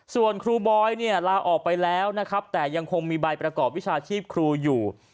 ส่วนครูบอยเนี่ยลาออกไปแล้วนะครับแต่ยังคงมีใบประกอบวิชาชีพครูอยู่